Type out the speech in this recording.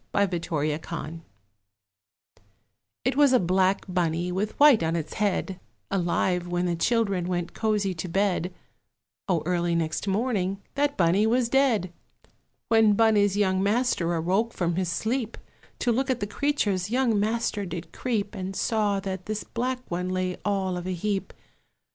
BLACK BUNNY It was a black Bunny, with white in its head, Alive when the children went cosy to bed O early next morning that Bunny was dead! When Bunny's young master awoke up from sleep, To look at the creatures young master did creep, And saw that this black one lay all of a heap.